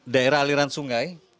daerah aliran sungai